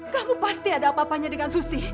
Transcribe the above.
kamu pasti ada apa apanya dengan susi